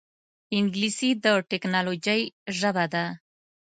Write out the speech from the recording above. انګلیسي د ټکنالوجۍ ژبه ده